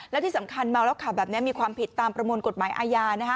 และที่สำคัญเมาแล้วขับแบบนี้มีความผิดตามประมวลกฎหมายอาญานะคะ